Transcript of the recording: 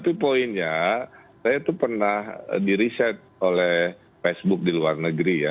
tapi poinnya saya itu pernah di riset oleh facebook di luar negeri ya